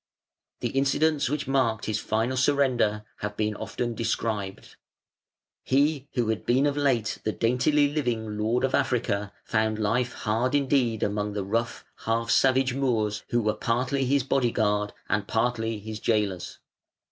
The incidents which marked his final surrender have been often described. He who had been of late the daintily living lord of Africa found life hard indeed among the rough, half savage Moors, who were partly his body guard and partly his gaolers.